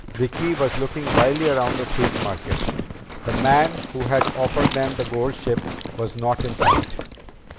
Vicki was looking wildly around the Thieves' Market. The man who had offered them the gold ship was not in sight.